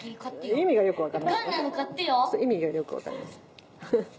意味がよく分からない。